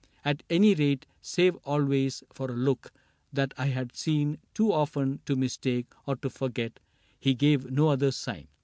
At any rate, save always for a look That I had seen too often to mistake Or to forget, he gave no other sign.